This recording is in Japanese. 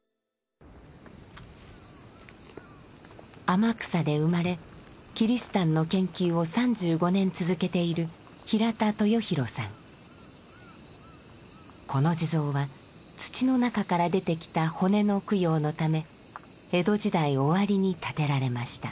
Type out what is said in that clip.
天草で生まれキリシタンの研究を３５年続けているこの地蔵は土の中から出てきた骨の供養のため江戸時代終わりに建てられました。